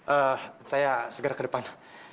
eh saya segera ke depan